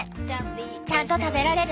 ちゃんと食べられる？